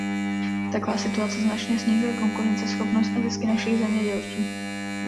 Taková situace značně snižuje konkurenceschopnost a zisky našich zemědělců.